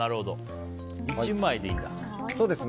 １枚でいいんだ。